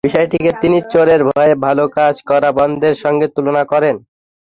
বিষয়টিকে তিনি চোরের ভয়ে ভালো কাজ করা বন্ধের সঙ্গে তুলনা করেন।